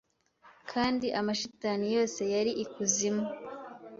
Kandi amashitani yose yari ikuzimu